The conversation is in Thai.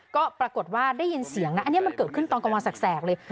ก็ปรากฏว่าได้ยินเสียงนะอันนี้มันเกิดขึ้นตอนกลางวันแสกเลย